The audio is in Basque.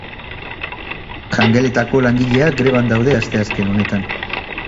Jangeletako langileak greban daude asteazken honetan.